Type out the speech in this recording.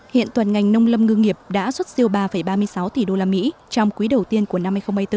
hiện toàn ngành nông lâm ngư nghiệp đã xuất siêu ba ba mươi sáu tỷ usd trong quý đầu tiên của năm hai nghìn hai mươi bốn